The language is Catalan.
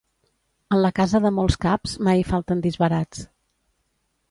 En la casa de molts caps, mai hi falten disbarats.